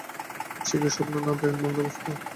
সে কি স্বপ্ন না ধ্যানমগ্ন অবস্থা!